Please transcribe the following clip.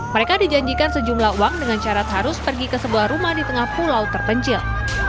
mereka dijanjikan sejumlah uang dengan syarat harus pergi ke sebuah rumah di tengah pulau terpencil